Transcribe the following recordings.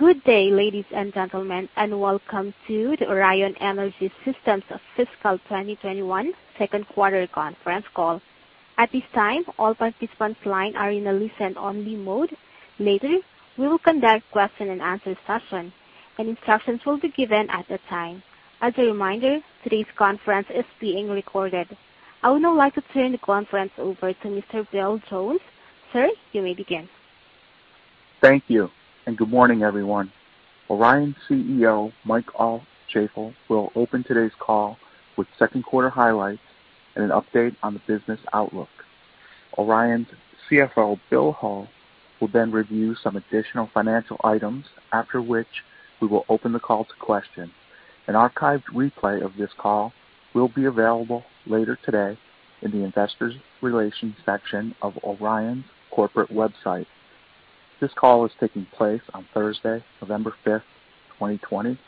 Good day, ladies and gentlemen, and Welcome to the Orion Energy Systems Fiscal 2021 Second Quarter Conference Call. At this time all participants' lines are in a listen-only mode. Later we will conduct a question-and-answer session and instructions will be given at that time. As a reminder, today's conference is being recorded. I would now like to turn the conference over to Mr. Bill Jones. Sir, you may begin. Thank you and good morning everyone. Orion CEO Mike Altschaefl will open today's call with second quarter highlights and an update on the business outlook. Orion's CFO Bill Hull will then review some additional financial items, after which we will open the call to questions. An archived replay of this call will be available later today in the Investor Relations section of Orion's corporate website. This call is taking place on Thursday, November 5th, 2020.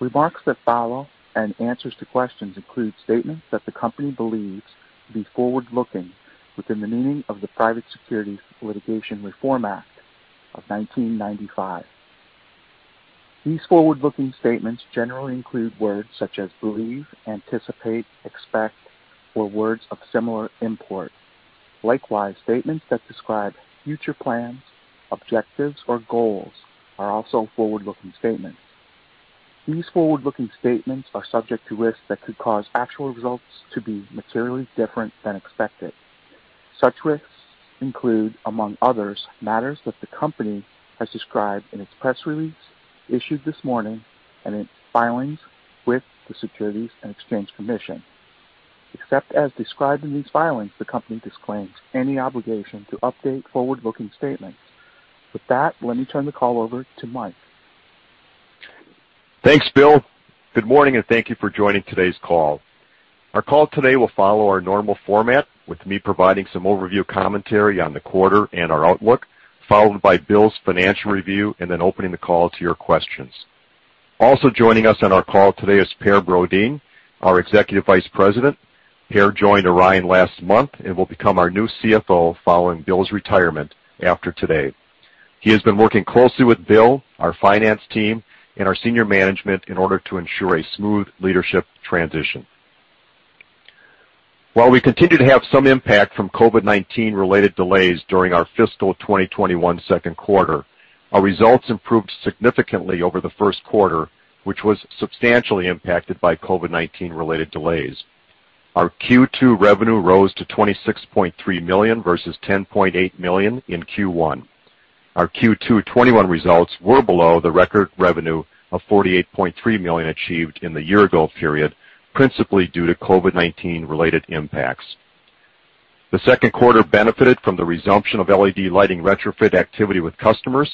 Remarks that follow and answers to questions include statements that the Company believes to be forward-looking within the meaning of the Private Securities Litigation Reform Act of 1995. These forward-looking statements generally include words such as believe, anticipate and expect or words of similar import. Likewise, statements that describe future plans, objectives or goals are also forward-looking statements. These forward-looking statements are subject to risks that could cause actual results to be materially different than expected. Such risks include, among others, matters that the Company has described in its press release issued this morning and its filings with the Securities and Exchange Commission. Except as described in these filings, the Company disclaims any obligation to update forward-looking statements. With that, let me turn the call over to Mike. Thanks, Bill. Good morning, and thank you for joining today's call. Our call today will follow our normal format with me providing some overview commentary on the quarter and our outlook, followed by Bill's financial review and then opening the call to your questions. Also joining us on our call today is Per Brodin, our Executive Vice President. Per joined Orion last month and will become our new CFO following Bill's retirement. After today, he has been working closely with Bill, our finance team and our senior management in order to ensure a smooth leadership transition. While we continue to have some impact from COVID-19 related delays during our fiscal 2021 second quarter, our results improved significantly over the first quarter, which was substantially impacted by COVID-19 related delays. Our Q2 revenue rose to $26.3 million versus $10.8 million in Q1. Our Q2 2021 results were below the record revenue of $48.3 million achieved in the year ago period, principally due to COVID-19 related impacts. The second quarter benefited from the resumption of LED lighting retrofit activity with customers,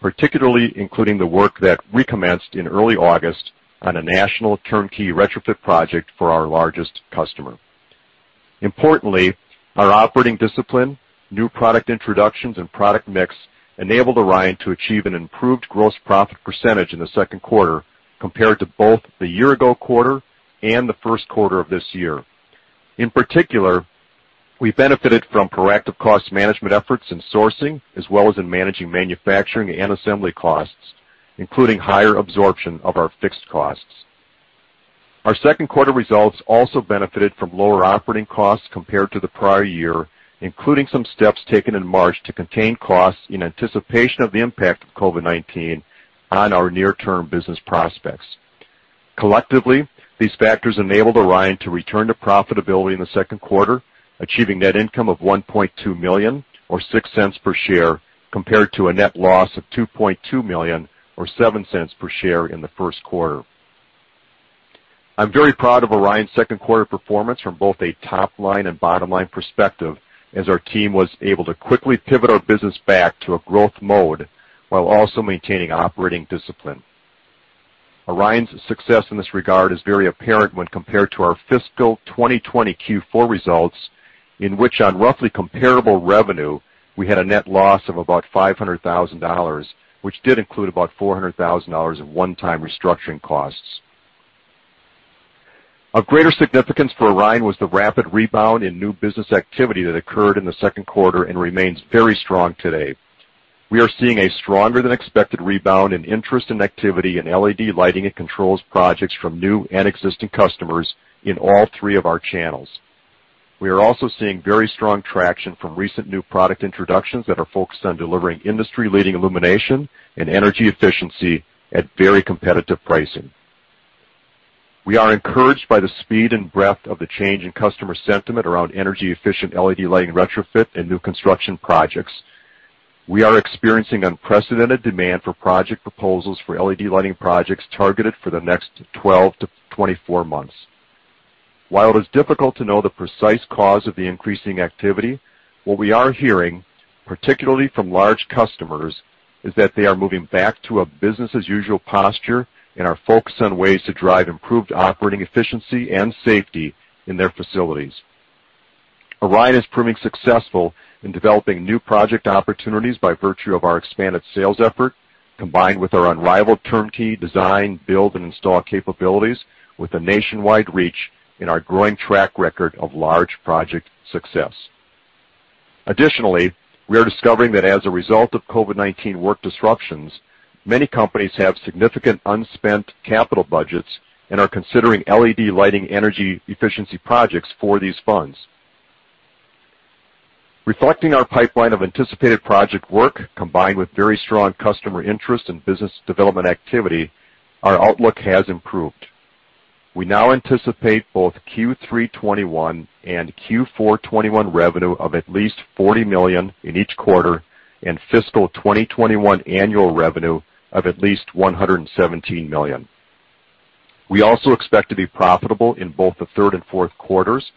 particularly including the work that recommenced in early August on a national turnkey retrofit project for our largest customer. Importantly, our operating discipline, new product introductions and product mix enabled Orion to achieve an improved gross profit percentage in the second quarter compared to both the year ago quarter and the first quarter of this year. In particular, we benefited from proactive cost management efforts and sourcing as well as in managing manufacturing and assembly costs, including higher absorption of our fixed costs. Our second quarter results also benefited from lower operating costs compared to the prior year, including some steps taken in March to contain costs in anticipation of the impact of COVID-19 on our near term business prospects. Collectively, these factors enabled Orion to return to profitability in the second quarter, achieving net income of $1.2 million or $0.06 per share compared to a net loss of $2.2 million or $0.07 per share in the first quarter. I'm very proud of Orion's second quarter performance from both a top line and bottom line perspective as our team was able to quickly pivot our business back to a growth mode while also maintaining operating discipline. Orion's success in this regard is very apparent when compared to our fiscal 2020 Q4 results in which on roughly comparable revenue we had a net loss of about $500,000 which did include about $400,000 of one-time restructuring costs. Of greater significance for Orion was the rapid rebound in new business activity that occurred in the second quarter and remains very strong today. We are seeing a stronger than expected rebound in interest and activity in LED lighting and controls projects from new and existing customers in all three of our channels. We are also seeing very strong traction from recent new product introductions that are focused on delivering industry leading illumination and energy efficiency at very competitive pricing. We are encouraged by the speed and breadth of the change in customer sentiment around energy efficient LED lighting, retrofit and new construction projects. We are experiencing unprecedented demand for project proposals for LED lighting projects targeted for the next 12 to 24 months. While it is difficult to know the precise cause of the increasing activity, what we are hearing, particularly from large customers, is that they are moving back to a business as usual posture and are focused on ways to drive improved operating efficiency and safety in their facilities. Orion is proving successful in developing new project opportunities by virtue of our expanded sales effort combined with our unrivaled turnkey design, build and install capabilities with a nationwide reach and our growing track record of large project success. Additionally, we are discovering that as a result of COVID-19 work disruptions, many companies have significant unspent capital budgets and are considering LED lighting energy efficiency projects for these funds. Reflecting our pipeline of anticipated project work combined with very strong customer interest and business development activity, our outlook has improved. We now anticipate both Q3 2021 and Q4 2021 revenue of at least $40 million in each quarter and fiscal 2021 annual revenue of at least $117 million. We also expect to be profitable in both the third and fourth quarters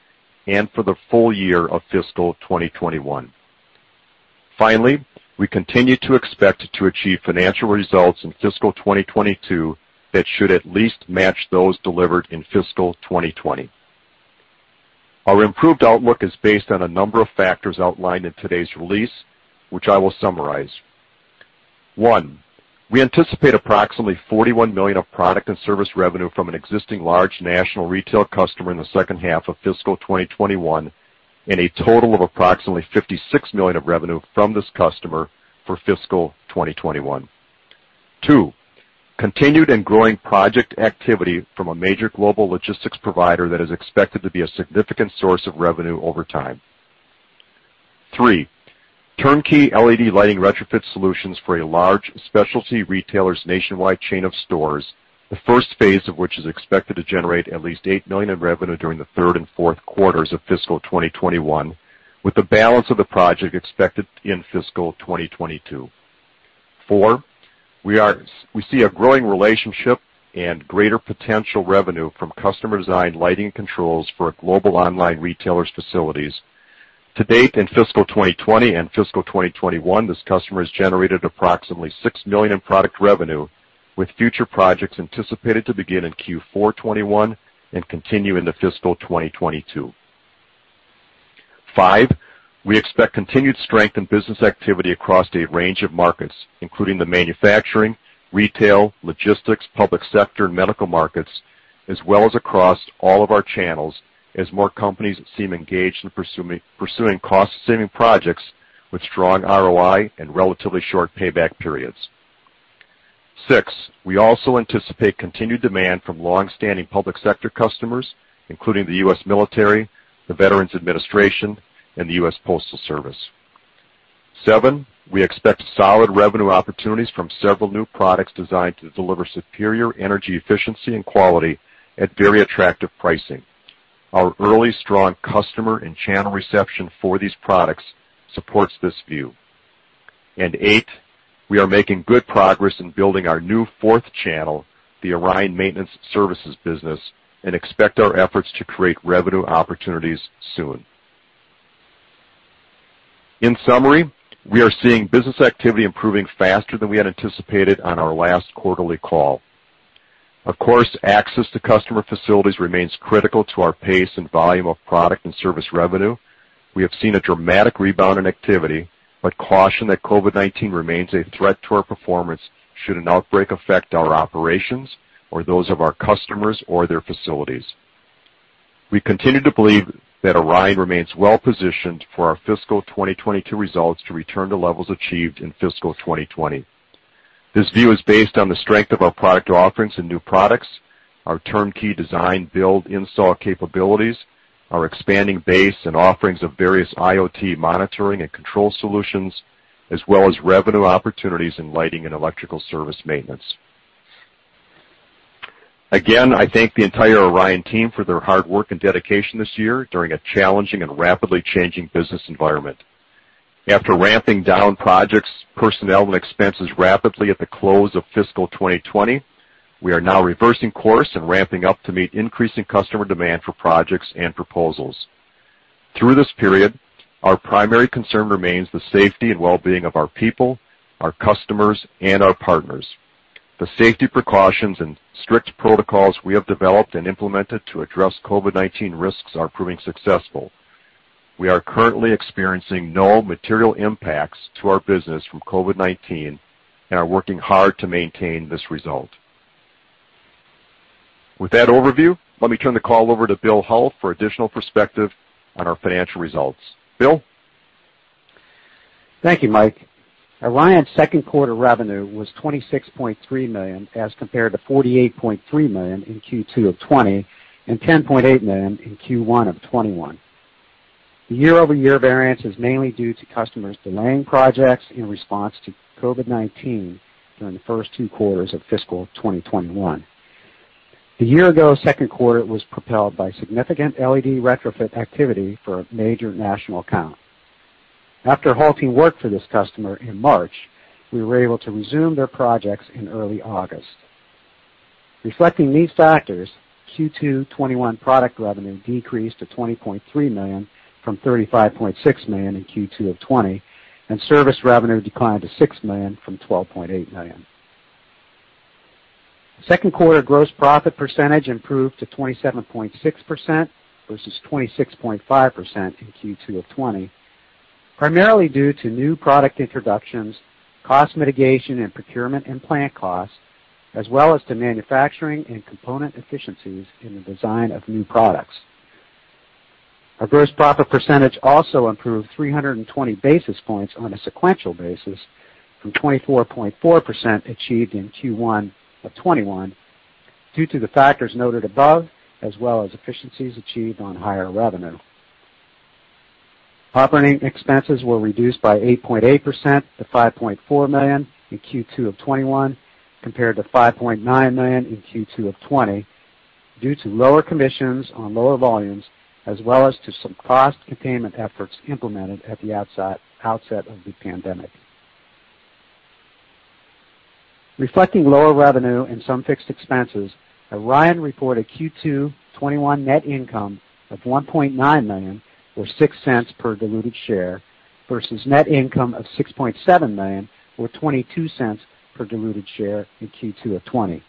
and for the full year of fiscal 2021. Finally, we continue to expect to achieve financial results in fiscal 2022 that should at least match those delivered in fiscal 2020. Our improved outlook is based on a number of factors outlined in today's release, which I will summarize. 1. We anticipate approximately $41 million of product and service revenue from an existing large national retail customer in the second half of fiscal 2021 and a total of approximately $56 million of revenue from this customer for fiscal 2021. 2. Continued and growing project activity from a major global logistics provider that is expected to be a significant source of revenue over time. 3. Turnkey LED lighting retrofit solutions for a large specialty retailer's nationwide chain of stores, the first phase of which is expected to generate at least $8 million in revenue during the third and fourth quarters of fiscal 2021, with the balance of the project expected in fiscal 2022. 4. We see a growing relationship and greater potential revenue from custom design lighting controls for global online retailers facilities. To date in fiscal 2020 and fiscal 2021, this customer has generated approximately $6 million in product revenue, with future projects anticipated to begin in Q4 2021 and continue into fiscal 2022. 5. We expect continued strength in business activity across a range of markets including the manufacturing, retail, logistics, public sector and medical markets as well as across all of our channels as more companies seem engaged in pursuing cost-saving projects with strong ROI and relatively short payback periods. We also anticipate continued demand from long-standing public sector customers including the U.S. military, the Veterans Administration, and the U.S. Postal Service. 7. We expect solid revenue opportunities from several new products designed to deliver superior energy efficiency and quality at very attractive pricing. Our early strong customer and channel reception for these products supports this view and we are making good progress in building our new fourth channel, the Orion Maintenance Services business, and expect our efforts to create revenue opportunities soon. In summary, we are seeing business activity improving faster than we had anticipated on our last quarterly call. Of course, access to customer facilities remains critical to our pace and volume of product and service revenue. We have seen a dramatic rebound in activity, but caution that COVID-19 remains a threat to our performance should an outbreak affect our operations or those of our customers or their facilities. We continue to believe that Orion remains well positioned for our fiscal 2022 results to return to levels achieved in fiscal 2020. This view is based on the strength of our product offerings and new products, our turnkey design, build install capabilities, our expanding base and offerings of various IoT monitoring and control solutions, as well as revenue opportunities in lighting and electrical service maintenance. Again, I thank the entire Orion team for their hard work and dedication this year during a challenging and rapidly changing business environment. After ramping down projects, personnel and expenses rapidly at the close of fiscal 2020, we are now reversing course and ramping up to meet increasing customer demand for projects and proposals. Through this period, our primary concern remains the safety and well-being of our people, our customers and our partners. The safety precautions and strict protocols we have developed and implemented to address COVID-19 risks are proving successful. We are currently experiencing no material impacts to our business from COVID-19 and are working hard to maintain this result. With that overview, let me turn the call over to Bill Hull for additional perspective on our financial results. Bill. Thank you, Mike. Orion's second quarter revenue was $26.3 million as compared to $48.3 million in Q2 of 2020 and $10.8 million in Q1 of 2021. The year-over-year variance is mainly due to customers delaying projects in response to COVID-19 during the first two quarters of fiscal 2021. The year ago second quarter was propelled by significant LED retrofit activity for a major national account. After halting work for this customer in March, we were able to resume their projects in early August. Reflecting these factors, Q2 2021 product revenue decreased to $20.3 million from $35.6 million in Q2 of 2020 and service revenue declined to $6 million from $12.8 million. Second quarter gross profit percentage improved to 27.6% versus 26.5% in Q2 of 2020 primarily due to new product introductions, cost mitigation and procurement and plant costs, as well as to manufacturing and component efficiencies in the design of new products. Our gross profit percentage also improved 320 basis points on a sequential basis from 24.4% achieved in Q1 of 2021 due to the factors noted above as well as efficiencies achieved on higher revenue. Operating expenses were reduced by 8.8% to $5.4 million in Q2 of 2021 compared to $5.9 million in Q2 of 2020 due to lower commissions on lower volumes as well as to some cost containment efforts implemented at the outset of the pandemic. Reflecting lower revenue and some fixed expenses. Orion reported Q2 2021 net income of $1.9 million or $0.06 per diluted share versus net income of $6.7 million or $0.22 per diluted share in Q2 of 2020.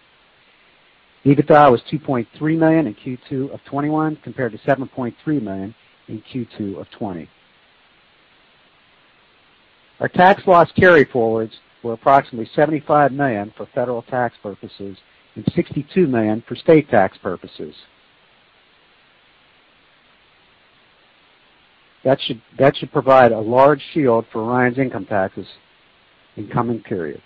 EBITDA was $2.3 million in Q2 of 2021 compared to $7.3 million in Q2 of 2020. Our tax loss carryforwards were approximately $75 million for federal tax purposes and $62 million for state tax purposes. That should provide a large shield for Orion's income taxes in coming periods.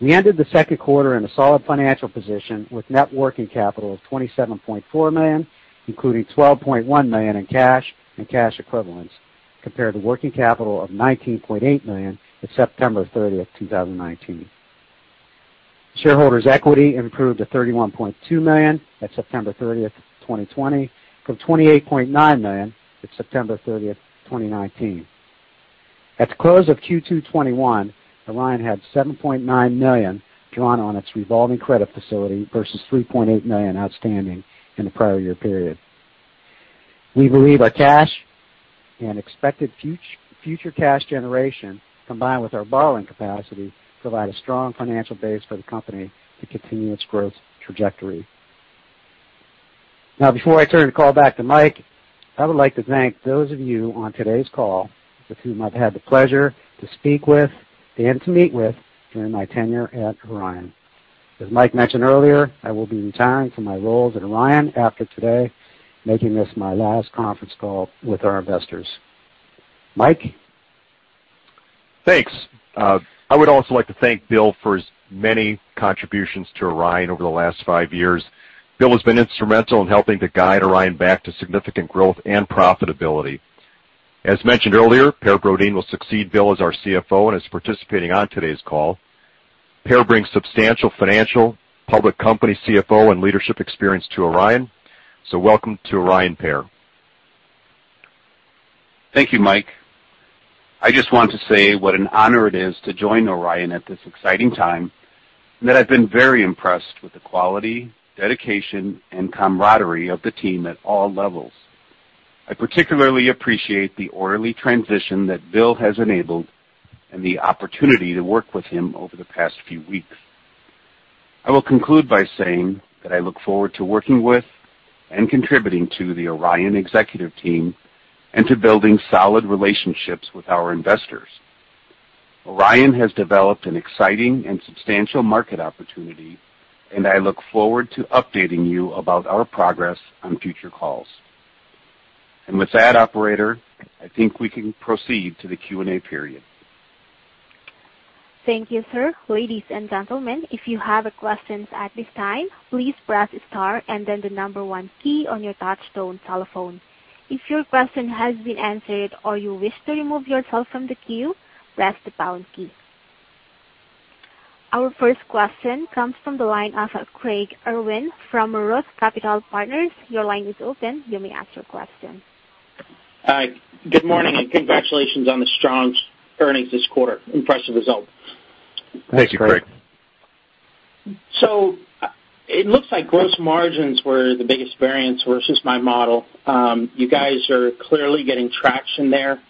We ended the second quarter in a solid financial position with net working capital of $27.4 million, including $12.1 million in cash and cash equivalents compared to net working capital of $19.8 million at September 30th, 2019. Shareholders' equity improved to $31.2 million at September 30th, 2020 from $28.9 million at September 30th, 2019. At the close of Q2 2021, Orion had $7.9 million drawn on its revolving credit facility versus $3.8 million outstanding in the prior year period. We believe our cash and expected future cash generation combined with our borrowing capacity provide a strong financial base for the company to continue its growth trajectory. Now, before I turn the call back to Mike, I would like to thank those of you on today's call with whom I've had the pleasure to speak with and to meet with during my tenure at Orion. As Mike mentioned earlier, I will be retiring from my roles at Orion after today, making this my last conference call with our investors. Mike. Thanks. I would also like to thank Bill for his many contributions to Orion over the last five years. Bill has been instrumental in helping to guide Orion back to significant growth and profitability. As mentioned earlier, Per Brodin will succeed Bill as our CFO and is participating on today's call. Per brings substantial financial, public company CFO and leadership experience to Orion. So welcome to Orion, Per. Thank you, Mike. I just want to say what an honor it is to join Orion at this exciting time and that I've been very impressed with the quality, dedication and camaraderie of the team at all levels. I particularly appreciate the orderly transition that Bill has enabled and the opportunity to work with him over the past few weeks. I will conclude by saying that I look forward to working with and contributing to the Orion executive team and to building solid relationships with our investors. Orion has developed an exciting and substantial market opportunity and I look forward to updating you about our progress on future calls, and with that, operator, I think we can proceed to the Q & A period. Thank you, sir. Ladies and gentlemen, if you have questions at this time, please press star and then the number one key on your touch-tone telephone. If your question has been answered or you wish to remove yourself from the queue, press the pound key. Our first question comes from the line of Craig Irwin from Roth Capital Partners. Your line is open. You may ask your question. Good morning and congratulations on the strong earnings this quarter. Impressive result. Thank you, Craig. It looks like gross margins were the biggest variance versus my model. You guys are clearly getting traction there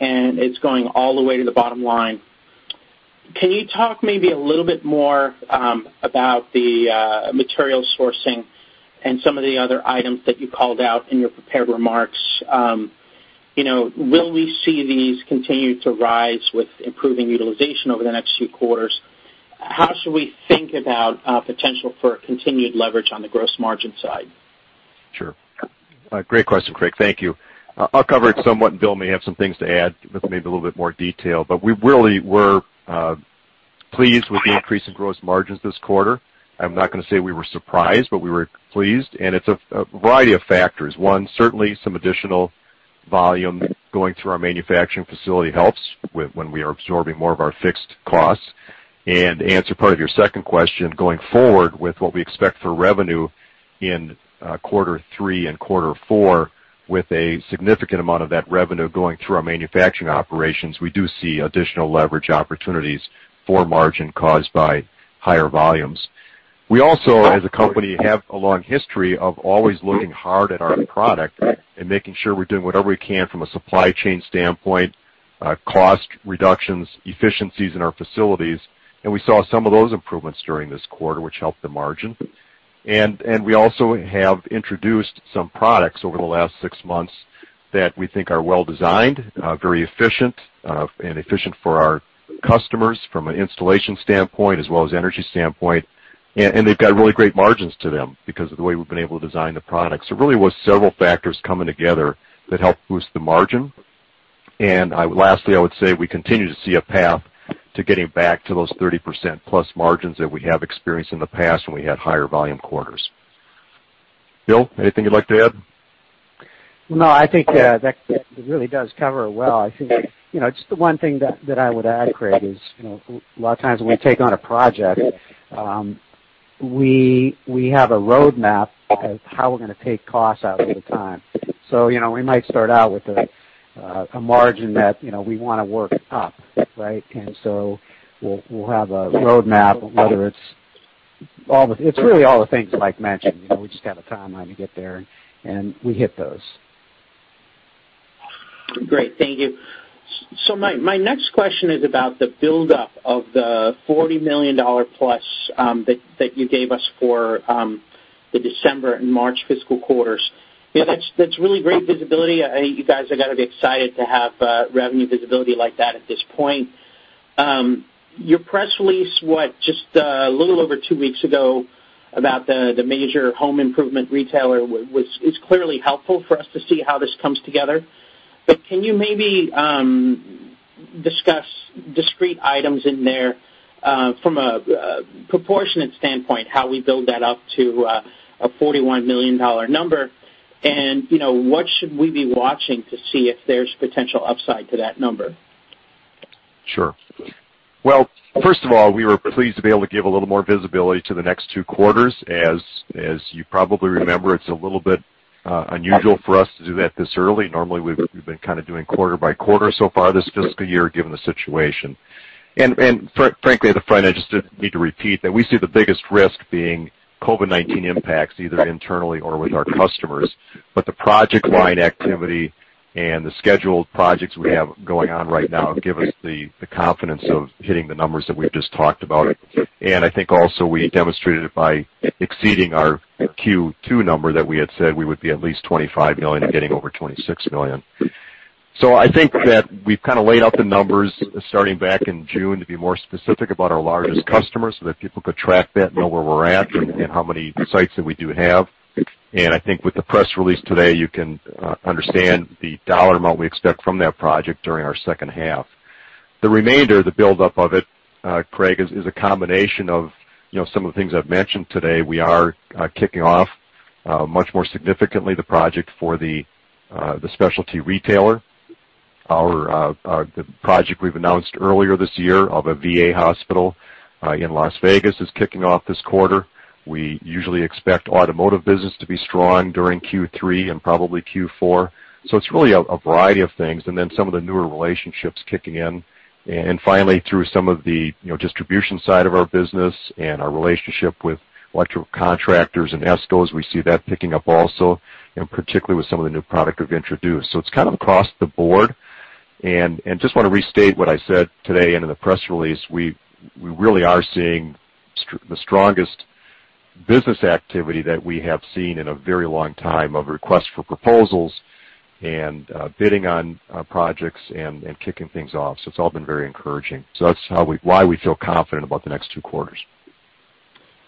and it's going all the way to the bottom line. Can you talk maybe a little bit more about the material sourcing and some of the other items that you called out in your prepared remarks? Will we see these continue to rise with improving utilization over the next few quarters? How should we think about potential for continued leverage on the gross margin side? Sure. Great question, Craig. Thank you. I'll cover it somewhat. And Bill may have some things to add with maybe a little bit more detail. But we really were pleased with the increase in gross margins this quarter. I'm not going to say we were surprised, but we were pleased. And it's a variety of factors. One, certainly some additional volume going through our manufacturing facility helps when we are absorbing more of our fixed costs. And answer part of your second question. Going forward with what we expect for revenue in quarter three and quarter four, with a significant amount of that revenue going through our manufacturing operations, we do see additional leverage opportunities for margin caused by higher volumes. We also, as a company, have a long history of always looking hard at our product and making sure we're doing whatever we can from a supply chain standpoint, cost reductions, efficiencies in our facilities, and we saw some of those improvements during this quarter which helped the margin. And we also have introduced some products over the last six months that we think are well designed, very efficient and efficient for our customers from an installation standpoint as well as energy standpoint. And they've got really great margins to them because of the way we've been able to design the products. It really was several factors coming together that helped boost the margin. And lastly, I would say we continue to see a path to getting back to those 30% plus margins that we have experienced in the past when we had higher volume quarters. Bill, anything you'd like to add? No, I think that really does cover well. I think just the one thing that I would add, Craig, is a lot of times when we take on a project. We have a roadmap of how we're going to take costs out over time. So, you know, we might start out with a margin that we want to work up. Right. And so we'll have a roadmap. It's really all the things Mike mentioned. We just have a timeline to get there and we hit those. Great. Thank you. So my next question is about the buildup of the $40 million plus that that you gave us for the December and March fiscal quarters. That's really great visibility. You guys have got to be excited to have revenue visibility like that at this point. Your press release, what, just a little over two weeks ago about the major home improvement retailer is clearly helpful for us to see how this comes together, but can you maybe discuss discrete items in there from a proportionate standpoint, how we build that up to a $41 million number, and you know, what should we be watching to see if there's potential upside to that number? Sure. Well, first of all, we were pleased to be able to give a little more visibility to the next two quarters. As you probably remember, it's a little bit unusual for us to do that this early. Normally, we've been kind of doing quarter by quarter so far this fiscal year, given the situation, and frankly, up front, I just did need to repeat that. We see the biggest risk being COVID-19 impacts, either internally or with our customers. But the project line activity and the scheduled projects we have going on right now give us the confidence of hitting the numbers that we've just talked about, and I think also we demonstrated it by exceeding our Q2 number that we had said we would be at least $25 million and getting over $26 million. I think that we've kind of laid out the numbers starting back in June to be more specific about our largest customers so that people could track that and know where we're at and how many sites that we do have. I think with the press release today, you can understand the dollar amount we expect from that project during our second half. The remainder, the buildup of it, Craig, is a combination of some of the things I've mentioned today. We are kicking off much more significantly, the project for the specialty retailer. The project we've announced earlier this year of a VA hospital in Las Vegas is kicking off this quarter. We usually expect automotive business to be strong during Q3 and probably Q4. So it's really a variety of things. And then some of the newer relationships kicking in. And finally, through some of the distribution side of our business and our relationship with electrical contractors and ESCOs, we see that picking up also, and particularly with some of the new product we've introduced. So it's kind of across the board. And just want to restate what I said today and in the press release. We really are seeing the strongest business activity that we have seen in a very long time of requests for proposals and bidding on projects and kicking things off. So it's all been very encouraging. So that's why we feel confident about the next two quarters.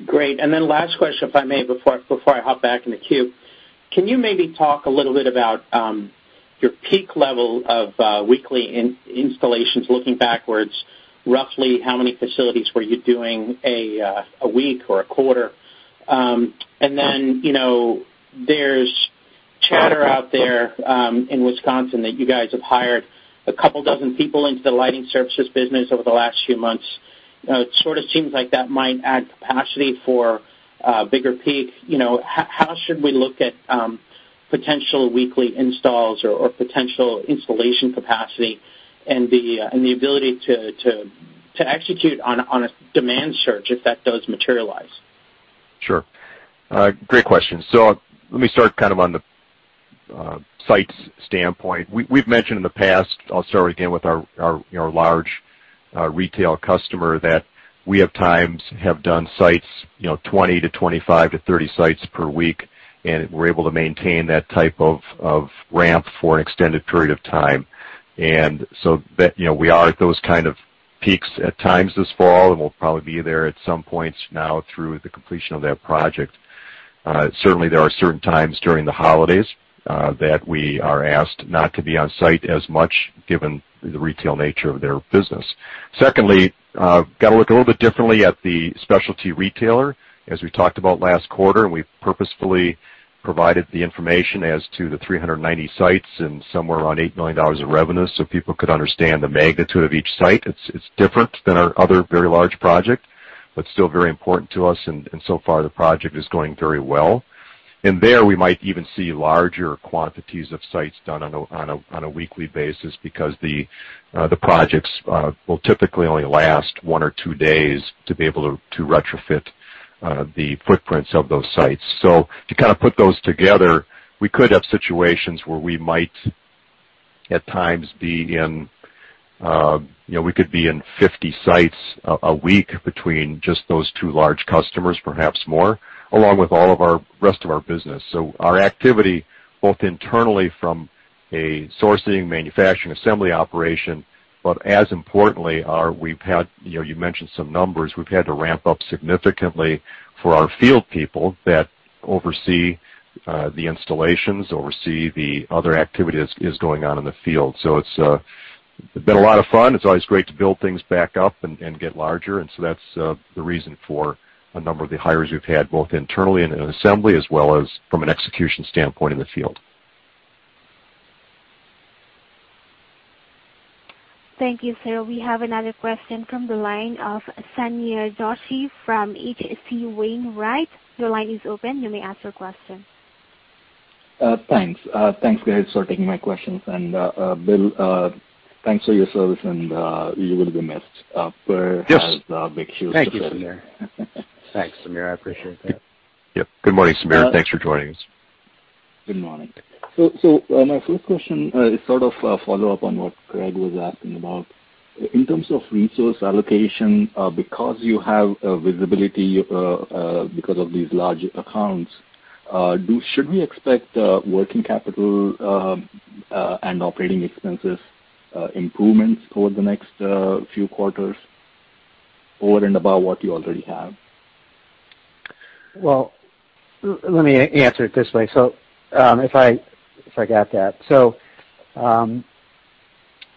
Great. And then last question, if I may, before I hop back in the queue. Can you maybe talk a little bit about your peak level of weekly installations? Looking backwards, roughly how many facilities were you doing a week or a quarter? And then, you know, there's chatter out there in Wisconsin that you guys have hired a couple dozen people into the lighting services business over the last few months. It sort of seems like that might add capacity for bigger peak. You know, how should we look at potential weekly installs or potential installation capacity and the ability to execute on a demand surge if that does materialize? Sure. Great question. So let me start kind of on the site's standpoint we've mentioned in the past. I'll start again with our large retail customer that we at times have done sites 20 to 25 to 30 sites per week, and we're able to maintain that type of ramp for an extended period of time. And so we are at those kind of peaks at times this fall. And we'll probably be there at some points now through the completion of that project. Certainly there are certain times during the holidays that we are asked not to be on site as much, given the retail nature of their business. Secondly, got to look a little bit differently at the specialty retailer, as we talked about last quarter, and we purposefully provided the information as to the 390 sites and somewhere around $8 million of revenue, so people could understand the magnitude of each site. It's different than our other very large project, but still very important to us. And so far the project is going very well. And there we might even see larger quantities of sites done on a weekly basis because the projects will typically only last one or two days to be able to retrofit the footprints of those sites. So to kind of put those together, we could have situations where we might at times be in. We could be in 50 sites a week between just those two large customers, perhaps more along with all of our rest of our business. So our activity both internally from a sourcing, manufacturing, assembly operation, but as importantly, we've had, you mentioned some numbers, we've had to ramp up significantly for our field people that oversee the installations, oversee the other activity that is going on in the field. So it's been a lot of fun. It's always great to build things back up and get larger, and so that's the reason for a number of the hires we've had both internally and assembly, as well as from an execution standpoint in the field. Thank you, sir. We have another question from the line of Sameer Joshi from H.C. Wainwright. Your line is open. You may ask your question. Thanks. Thanks guys for taking my questions. Bill, thanks for your service and, you will be missed. Yes, Thank you, Sameer. Yep. Good morning, Sameer. Thanks for joining us. Good morning. So my first question is sort of follow up on what Craig was asking about in terms of resource allocation because. You have visibility because of these large accounts. Should we expect working capital and? Operating expenses improvements over the next few quarters over and above what you already have? Let me answer it this way. So if I got that. So,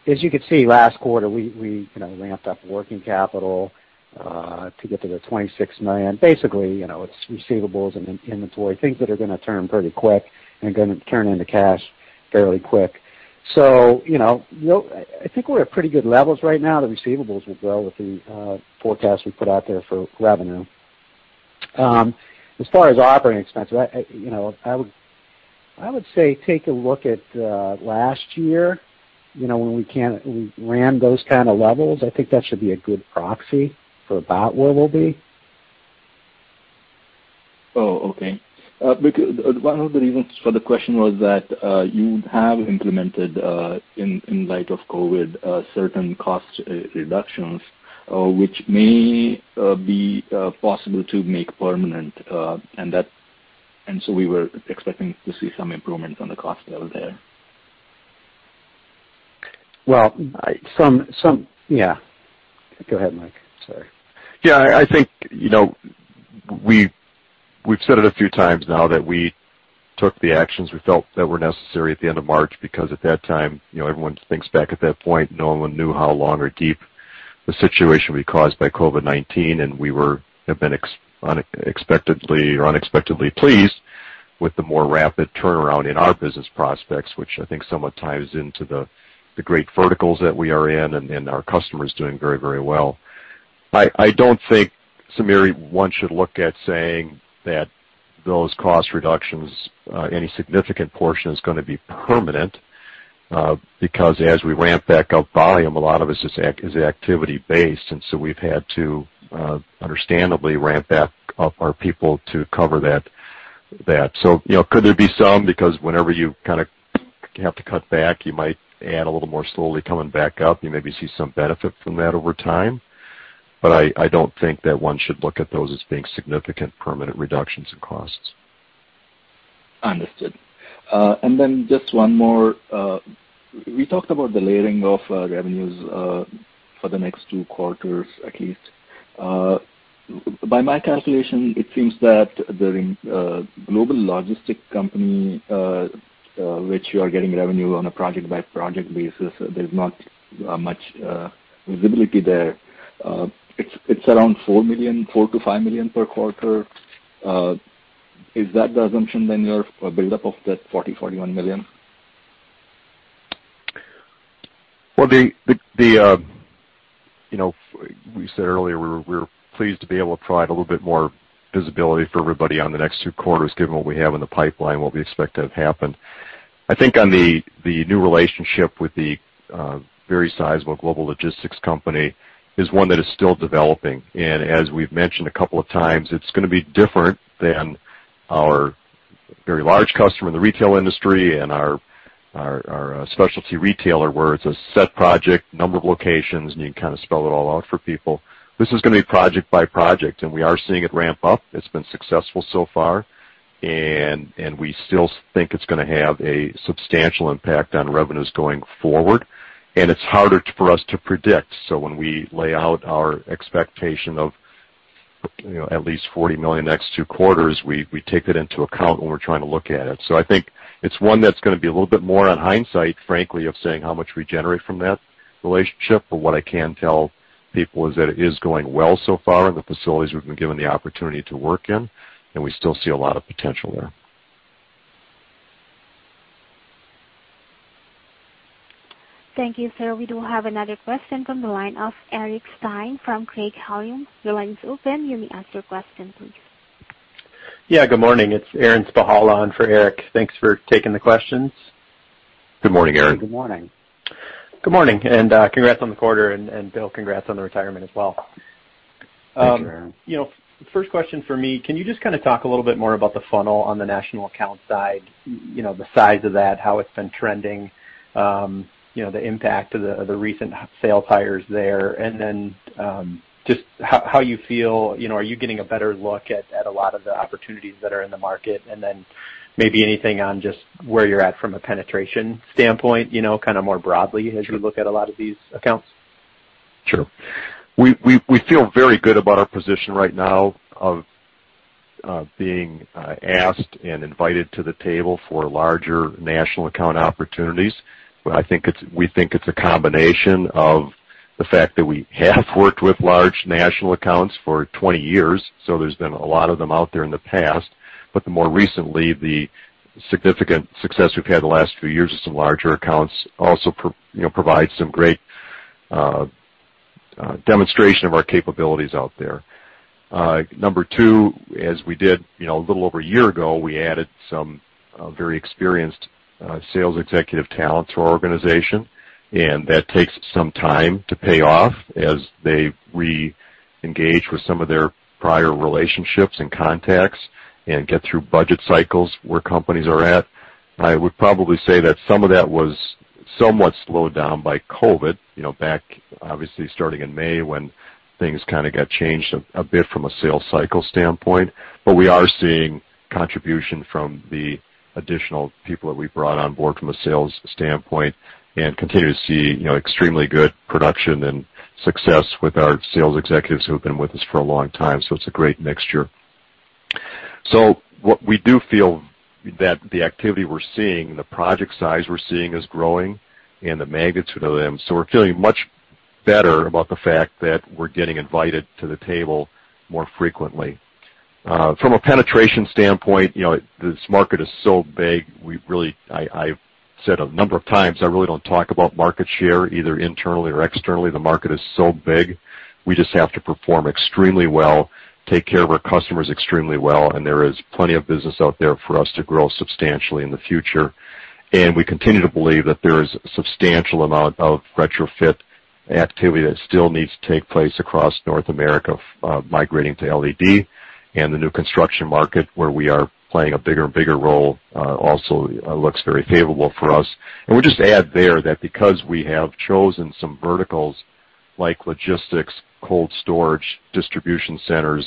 as you can see, last quarter we ramped up working capital to get to the $26 million. Basically, you know, it's receivables and inventory things that are going to turn pretty quick and going to turn into cash fairly quick. So I think we're at pretty good levels right now. The receivables will grow with the forecast we put out there for revenue. As far as operating expenses. I would say, so take a look at last year when we ran those kind of levels. I think that should be a good proxy for about where we'll be. Oh, okay. One of the reasons for the question was that you have implemented in light of COVID certain cost reductions which may be possible to make permanent and that, and so we were expecting to see some improvements on the cost level there. Well, some. Yeah, go ahead, Mike. Sorry. Yeah, I think, you know. We've said it a few times now that we took the actions we felt that were necessary at the end of March because at that time, you know, everyone thinks back at that point, no one knew how long or deep the situation we caused by COVID-19. We have been expectedly or unexpectedly pleased with the more rapid turnaround in our business prospects, which I think somewhat ties into the great verticals that we are in and our customers doing very very well. I don't think Sameer, one should look at saying that those cost reductions, any significant portion is going to be permanent because as we ramp back up volume, a lot of it is activity based. We've had to understandably ramp back up our people to cover that. So could there be some. Because whenever you kind of have to cut back, you might add a little more slowly coming back up, you maybe see some benefit from that over time. But I don't think that one should look at those as being significant permanent reductions in costs. Understood. And then just one more. We talked about the layering of revenues for the next two quarters, at least. By my calculation, it seems that global logistics company, which you are getting revenue on a project by project basis, there's not much visibility there. It's around $4 million, $4 million-$5 million per quarter. Is that the assumption then your buildup of that $40 million- $41 million? Well, you know, we said earlier we're pleased to be able to provide a little bit more visibility for everybody on the next two quarters given what we have in the pipeline, what we expect to have happen. I think on the new relationship with the very sizable global logistics company is one that is still developing and as we've mentioned a couple of times, it's going to be different than our very large customer in the retail industry and our specialty retailer where it's a set project number of locations and you can kind of spell it all out for people. This is going to be project by project and we are seeing it ramp up. It's been successful so far and we still think it's going to have a substantial impact on revenues going forward and it's harder for us to predict. So when we lay out our expectation of at least $40 million next two quarters, we take that into account when we're trying to look at it. So I think it's one that's going to be a little bit more on hindsight frankly of saying how much we generate from that relationship. But what I can tell people is that it is going well so far in the facilities we've been given the opportunity to work in and we still see a lot of potential there. Thank you, sir. We do have another question from the line of Eric Stine from Craig-Hallum. Your line is open. You may ask your question please. Yeah, good morning, it's Aaron Spychalla on for Eric. Thanks for taking the questions. Good morning, Aaron. Good morning. Good morning. Congrats on the quarter and Bill, congrats on the retirement as well. You know, first question for me, can you just kind of talk a little bit more about the funnel on the national account side? You know, the size of that, how it's been trending, you know, the impact of the recent sales hires there, and then, just how you feel, you know, are you getting a better look at? A lot of the opportunities that are in the market, and then maybe anything on just where you're at from a penetration standpoint, you know, kind of more broadly, as you look at a lot of these accounts? Sure. We feel very good about our position right now of being asked and invited to the table for larger national account opportunities. We think it's a combination of the fact that we have worked with large national accounts for 20 years. So there's been a lot of them out there in the past. But more recently, the significant success we've had the last few years with some larger accounts also provides some great. Demonstration of our capabilities out there. Number two, as we did a little over a year ago, we added some very experienced sales executive talent to our organization, and that takes some time to pay off as they reengage with some of their prior relationships and contacts, and get through budget cycles where companies are at. I would probably say that some of that was somewhat slowed down by COVID back, obviously, starting in May when things kind of got changed a bit from a sales cycle standpoint, but we are seeing contribution from the additional people that we brought on board from a sales standpoint and continue to see extremely good production and success with our sales executives who have been with us for a long time, so it's a great mixture. So we do feel that the activity we're seeing, the project size we're seeing is growing and the magnitude of them. So we're feeling much better about the fact that we're getting invited to the table more frequently from a penetration standpoint. This market is so big. I said a number of times, I really don't talk about market share either internally or externally. The market is so big, we just have to perform extremely well, take care of our customers extremely well, and there is plenty of business out there for us to grow substantially in the future and we continue to believe that there is a substantial amount of retrofit activity that still needs to take place across North America, migrating to LED and the new construction market, where we are playing a bigger and bigger role, also looks very favorable for us. We'll just add there that because we have chosen some verticals like logistics, cold storage, distribution centers,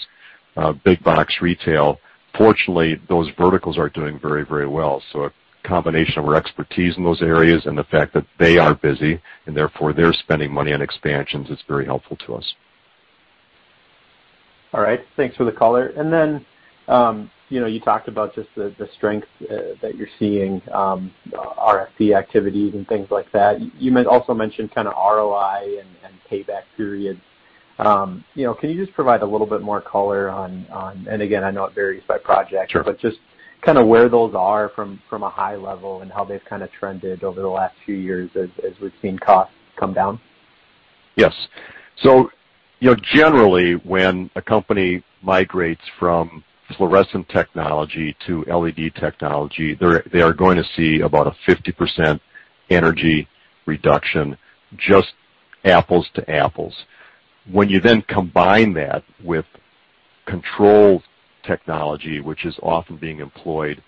big box, retail, fortunately, those verticals are doing very, very well. So, a combination of our expertise in those areas and the fact that they are busy and therefore they're spending money on expansions is very helpful to us. All right, thanks for the color. And then you know, you talked about. Just the strength that you're seeing, RFP activities and things like that. You also mentioned kind of ROI and payback period. You know, can you just provide a little bit more color on? Again, I know it varies by. Project, but just kind of where those. Are from a high level, and how they've kind of trended over the last few years as we've seen costs come down. Yes. So generally when a company migrates from fluorescent technology to LED technology, they are going to see about a 50% energy reduction. Just apples to apples. When you then combine that with control technology, which is often being employed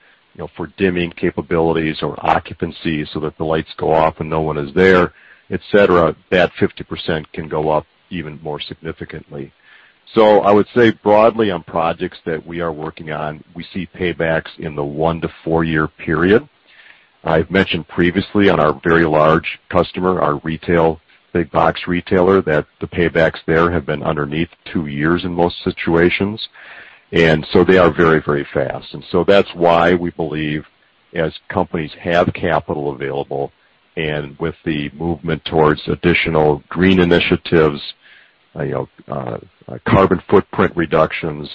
for dimming capabilities or occupancy so that the lights go off and no one is there, et cetera, that 50% can go up even more significantly. So I would say broadly on projects that we are working on, we see paybacks in the one- to four-year period. I've mentioned previously on our very large customer, our retail, big box retailer, that the paybacks there have been underneath two years in most situations. And so they are very, very fast. And so that's why we believe as companies have capital available and with the movement towards additional green initiatives. Carbon footprint reductions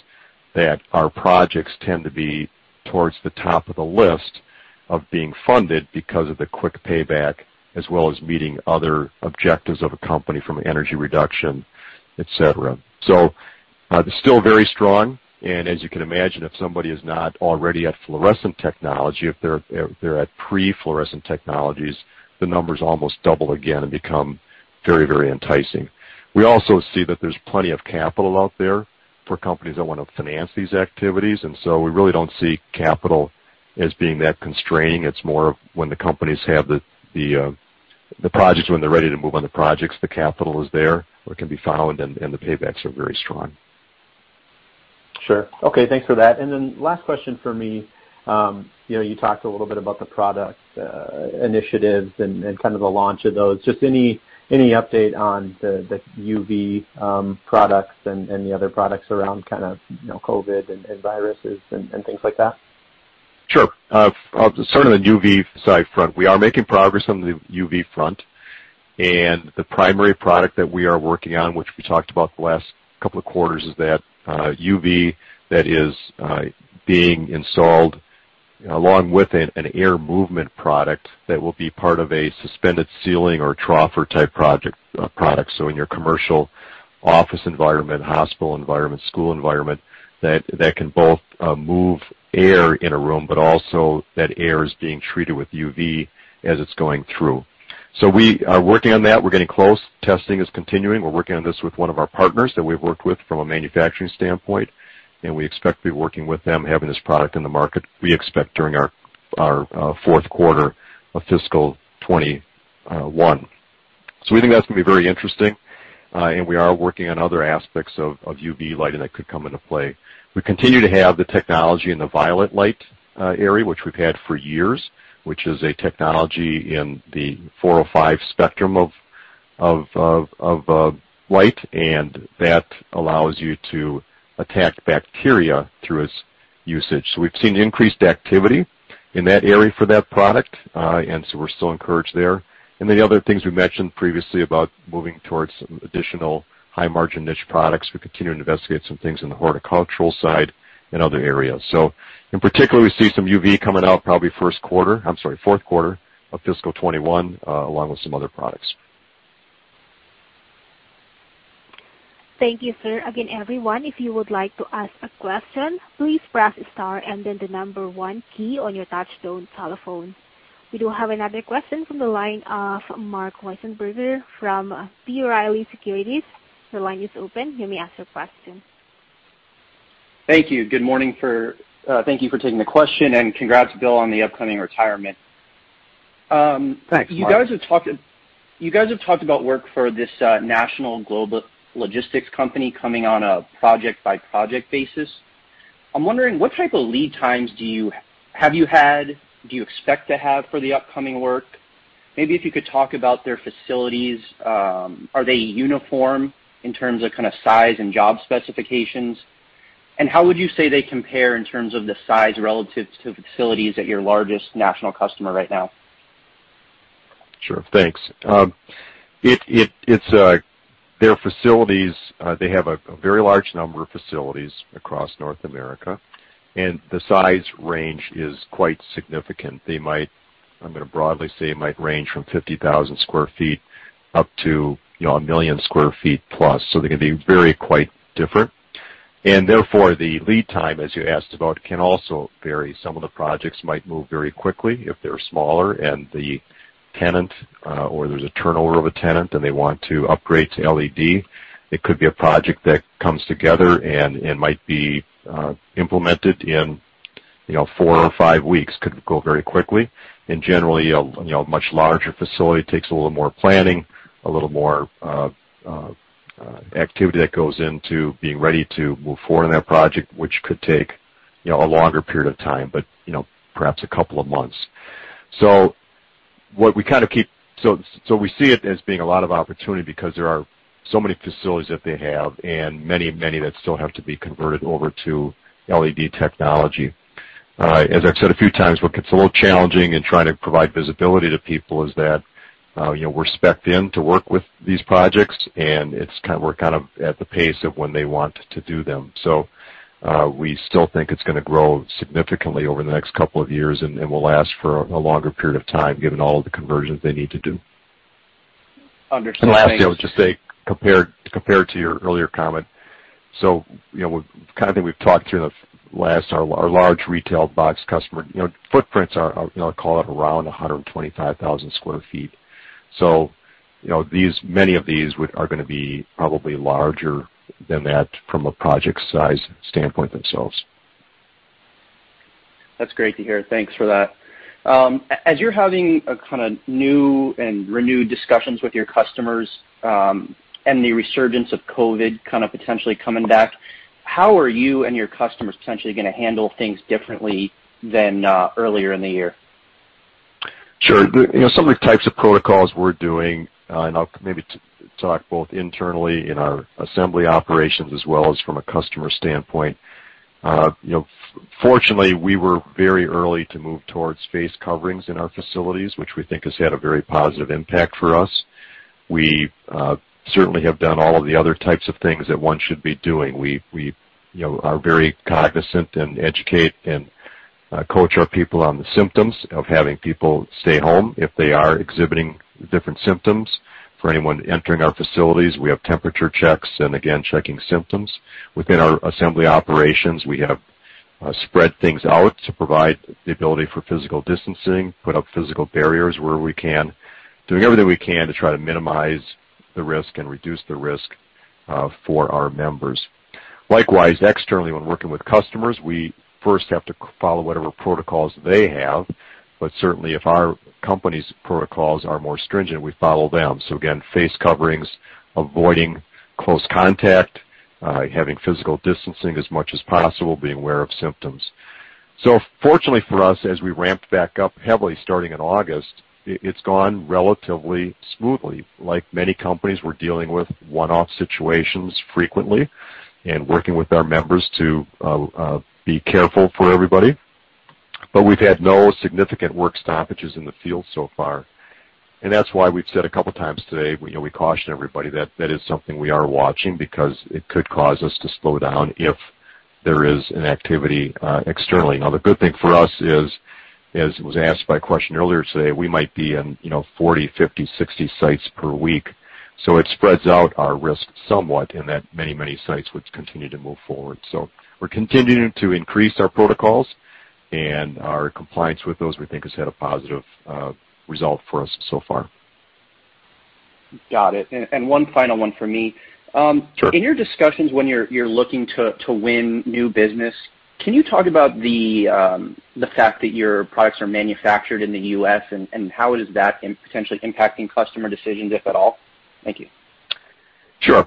that our projects tend to be towards the top of the list of being funded because of the quick payback as well as meeting other objectives of a company from energy reduction, et cetera. So it's still very strong. And as you can imagine, if somebody is not already at fluorescent technology, if they're at pre-fluorescent technologies, the numbers almost double again and become very, very enticing. We also see that there's plenty of capital out there for companies that want to finance these activities. And so we really don't see capital as being that constraining. It's more when the companies have the projects, when they're ready to move on the projects, the capital is there or can be found and the paybacks are very strong. Sure. Okay, thanks for that, and then last question for me. You know, you talked a little bit. About the product initiatives and kind of the launch of those. Just any update on the UV products and the other products around, kind of COVID and viruses and things like that? Sure. Sort of the UV side front, we are making progress on the UV front and the primary product that we are working on, which we talked about the last couple of quarters, is that UV that is being installed along with an air movement product that will be part of a suspended ceiling or troffer type project products. So in your commercial office environment, hospital environment, school environment, that can both move air in a room but also that air is being treated with UV as it's going through. So we are working on that. We're getting close, testing is continuing. We're working on this with one of our partners that we've worked with from a manufacturing standpoint and we expect to be working with them. Having this product in the market we expect during our fourth quarter of fiscal 2021. We think that's going to be very interesting. We are working on other aspects of UV lighting that could come into play. We continue to have the technology in the violet light area which we've had for years, which is a technology in the 405 spectrum of light and that allows you to attack bacteria through its. So we've seen increased activity in that area for that product and so we're still encouraged there. And the other things we mentioned previously about moving towards additional high margin niche products, we continue to investigate some things in the horticultural side and other areas. So in particular we see some UV coming out probably first quarter, I'm sorry, fourth quarter of fiscal 2021 along with some other products. Thank you, sir. Again, everyone, if you would like to ask a question, please press star and then the number one key on your touch-tone telephone. We do have another question from the line of Marc Wiesenberger from B. Riley Securities. The line is open. You may ask your question. Thank you. Good morning. Thank you for taking the question and congrats, Bill, on the upcoming retirement. Thanks. You guys have talked about work for this national global logistics company coming on a project by project basis. I'm wondering what type of lead times do you have, do you expect to have for the upcoming work? Maybe if you could talk about their facilities, are they uniform in terms of kind of size and job specifications and how would you say they compare in terms of the size relative to facilities at your largest national customer right now? Sure. Thanks. Its their facilities, they have a very large number of facilities across North America and the size range is quite significant. They might. I'm going to broadly say might range from 50,000 sq ft up to a million sq ft plus. So they can be very, quite different and therefore the lead time as you asked about can also vary. Some of the projects might move very quickly if they're smaller and the tenant or there's a turnover of a tenant and they want to upgrade to LED. It could be a project that comes together and might be implemented in four or five weeks. Could go very quickly. Generally a much larger facility takes a little more planning, a little more. Activity that goes into being ready to move forward in that project, which could take a longer period of time, but, you know, perhaps a couple of months, so what we kind of keep so we see it as being a lot of opportunity because there are so many facilities that they have and many, many that still have to be converted over to LED technology. As I've said a few times, what gets a little challenging in trying to provide visibility to people is that, you know, we're spec'd in to work with these projects and it's kind of, we're kind of at the pace of when they want to do them, so we still think it's going to grow significantly over the next couple of years and will last for a longer period of time given all of the conversions they need to do. Lastly, I would just say, compared to your earlier comment, so we've talked through the last, our large retail box customer footprints are, call it, around 125,000 sq ft. So many of these are going to be probably larger than that from a project size standpoint themselves. That's great to hear, thanks for that. As you're having a kind of new and renewed discussions with your customers and the resurgence of COVID kind of potentially coming back, how are you and your customers potentially going to handle things differently than earlier in the year? Sure. Some of the types of protocols we're doing and I'll maybe talk both internally in our assembly operations as well as from a customer standpoint. Fortunately, we were very early to move towards face coverings in our facilities, which we think has had a very positive impact for us. We certainly have done all of the other types of things that one should be doing. We are very cognizant and educate and coach our people on the symptoms of having people stay home if they are exhibiting different symptoms for anyone entering our facilities. We have temperature checks and again checking symptoms within our assembly operations. We have spread things out to provide the ability for physical distancing, put up physical barriers where we can, doing everything we can to try to minimize the risk and reduce the risk for our members. Likewise, externally, when working with customers, we first have to follow whatever protocols they have. But certainly if our company's protocols are more stringent, we follow them. So again, face coverings, avoiding close contact, having physical distancing as much as possible, being aware of symptoms. So fortunately for us, as we ramped back up heavily starting in August, it's gone relatively smoothly. Like many companies, we're dealing with one-off situations frequently and working with our members to be careful for everybody. But we've had no significant work stoppages in the field so far. And that's why we've said a couple times today we caution everybody that that is something we are watching because it could cause us to slow down if there is an activity externally. Now the good thing for us is, as was asked by a question earlier today, we might be in 40, 50, 60 sites per week. So it spreads out our risk somewhat in that many, many sites would continue to move forward. So we're continuing to increase our protocols and our compliance with those we think has had a positive result for us so far. Got it. And one final one for me. In your discussions when you're looking to win new business, can you talk about the fact that your products are manufactured in the U.S. and how does that potentially impact customer decisions if at all? Thank you. Sure.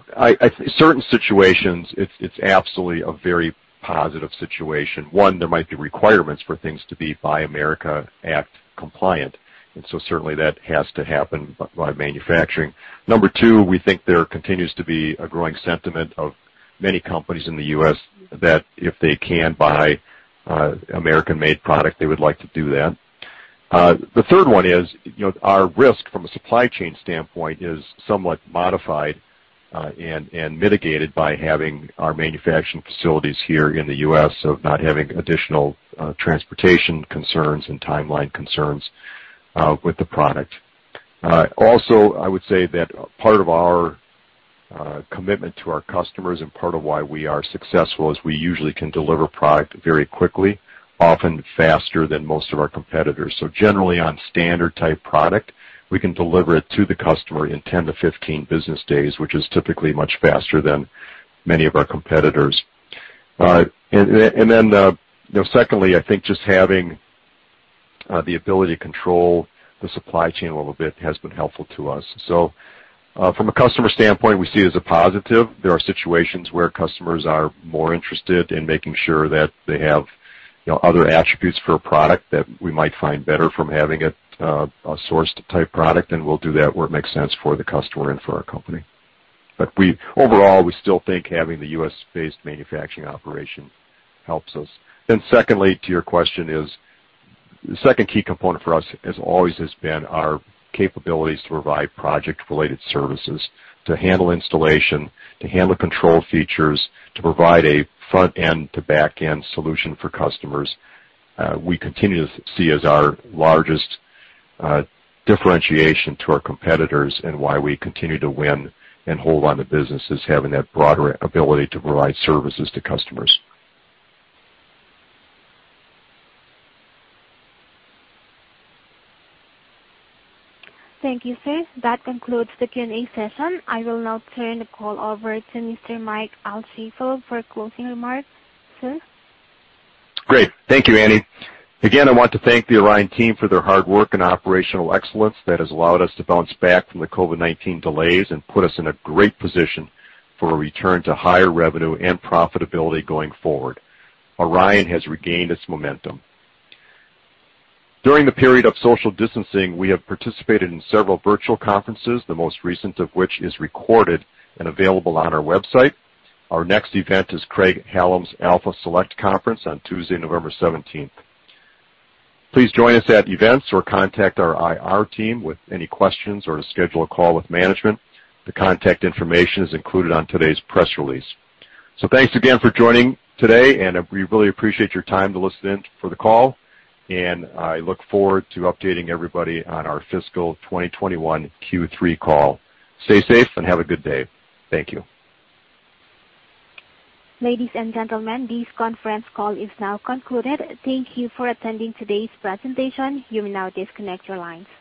Certain situations it's absolutely a very positive situation. One, there might be requirements for things to be Buy American Act compliant and so certainly that has to happen by manufacturing. Number two, we think there continues to be a growing sentiment of many companies in the U.S. that if they can buy American-made product, they would like to do that. The third one is our risk from a supply chain standpoint is somewhat modified and mitigated by having our manufacturing facilities here in the U.S. of not having additional transportation concerns and timeline concerns with the product. Also, I would say that part of our commitment to our customers and part of why we are successful is we usually can deliver product very quickly, often faster than most of our competitors. Generally on standard type product we can deliver it to the customer in 10-15 business days, which is typically much faster than many of our competitors. And then secondly, I think just having the ability to control the supply chain a little bit has been helpful to us. So from a customer standpoint we see it as a positive. There are situations where customers are more interested in making sure that they have other attributes for a product that we might find better from having it a source type product. And we'll do that where it makes sense for the customer and for our company. But overall we still think having the U.S.-based manufacturing operation helps us. Then, secondly, to your question, the second key component for us has always been our capabilities to provide project-related services, to handle installation, to handle control features, to provide a front-end to back-end solution for customers. We continue to see as our largest differentiation to our competitors and why we continue to win and hold on. The business is having that broader ability to provide services to customers. Thank you, sir. That concludes the Q&A session. I will now turn the call over to Mr. Mike Altschaefl for closing remarks. Sir, Great.Thank you Annie. Again, I want to thank the Orion team for their hard work and operational excellence that has allowed us to bounce back from the COVID-19 delays and put us in a great position for a return to higher revenue and profitability going forward. Orion has regained its momentum. During the period of social distancing. We have participated in several virtual conferences, the most recent of which is recorded and available on our website. Our next event is Craig-Hallum's Alpha Select Conference on Tuesday, November 17th. Please join us at events or contact our IR team with any questions or to schedule a call with management. The contact information is included on today's press release. So thanks again for joining today and we really appreciate your time to listen in for the call and I look forward to updating everybody on our fiscal 2021 Q3 call. Stay safe and have a good day. Thank you. Ladies and gentlemen, this conference call is now concluded. Thank you for attending today's presentation. You may now disconnect your lines.